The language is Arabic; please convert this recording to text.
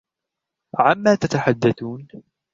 عما تتحدثون ؟